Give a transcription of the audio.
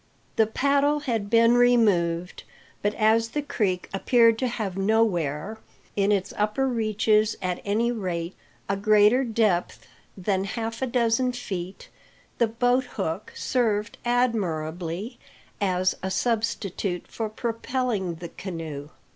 The paddle had been removed; but as the creek appeared to have nowhere, in its upper reaches at any rate, a greater depth than half a dozen feet, the boathook served admirably as, a substitute for propelling the canoe.